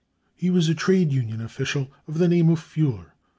He was a trade union official of the name of Fuhler.